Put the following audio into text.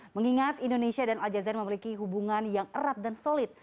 mengingat indonesia dan aljazee memiliki hubungan yang erat dan solid